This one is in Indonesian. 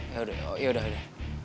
yaudah yaudah yaudah